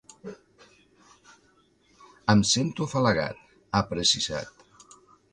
Em sento afalagat, ha precisat.